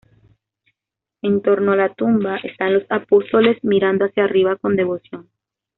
En torno a la tumba están los apóstoles, mirando hacia arriba con devoción.